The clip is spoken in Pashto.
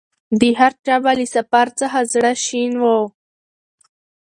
د هرچا به له سفر څخه زړه شین وو